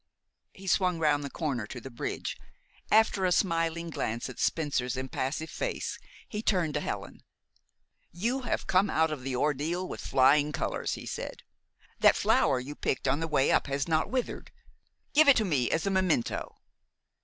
He swung round the corner to the bridge. After a smiling glance at Spencer's impassive face, he turned to Helen. "You have come out of the ordeal with flying colors," he said. "That flower you picked on the way up has not withered. Give it to me as a memento."